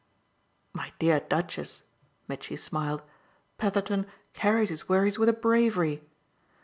"My dear Duchess," Mitchy smiled, "Petherton carries his worries with a bravery!